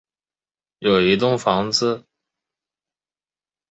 我在芦洲有一栋房子